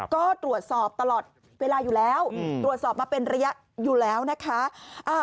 ก็ตรวจสอบตลอดเวลาอยู่แล้วตรวจสอบมาเป็นระยะอยู่แล้วนะคะ